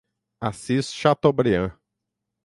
Assis Chateaubriand